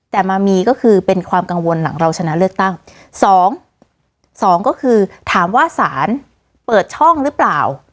แต่มามีก็คือเป็นความกังวลหลังเราชนะเลือกตั้งสองสองก็คือถามว่าสารเปิดช่องหรือเปล่า